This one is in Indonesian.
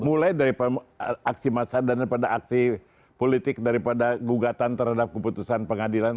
mulai dari aksi massa dan daripada aksi politik daripada gugatan terhadap keputusan pengadilan